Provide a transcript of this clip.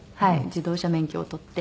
自動車免許を取って。